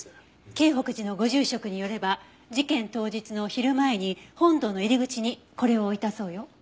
京北寺のご住職によれば事件当日の昼前に本堂の入り口にこれを置いたそうよ。